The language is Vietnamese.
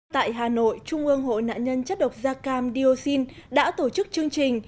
tại hà nội trung ương hộ nạn nhân chất độc da cam dioxin đã tổ chức chương trình